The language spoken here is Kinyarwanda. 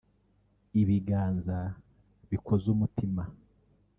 ibiganza bikoze umutima